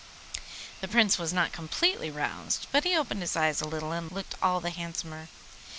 The Prince was not completely roused, but he opened his eyes a little and looked all the handsomer.